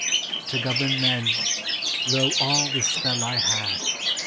"To govern men, lo all the spell I had!